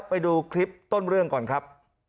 ไปดูคลิปต้นเรื่องก่อนครับ